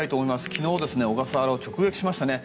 昨日、小笠原を直撃しました。